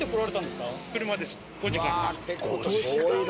５時間半？